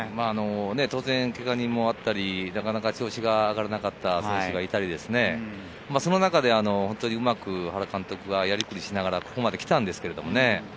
当然けが人もあったり、なかなか調子が上がらなかった選手がいたり、その中でうまく原監督がやりくりしながら、ここまで来たんですけどね。